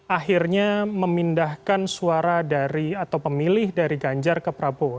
akhirnya memindahkan suara dari atau pemilih dari ganjar ke prabowo